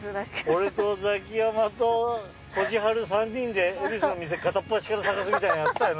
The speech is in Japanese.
俺とザキヤマとじはる３人で恵比寿の店片っ端から探すみたいなのってたよな？